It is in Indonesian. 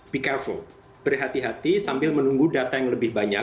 becarful berhati hati sambil menunggu data yang lebih banyak